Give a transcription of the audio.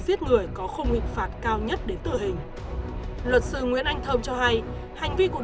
giết người có khuôn nguyện phạt cao nhất đến tự hình luật sư nguyễn anh thơm cho hay hành vi của